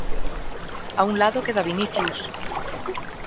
A un lado queda Vinicius.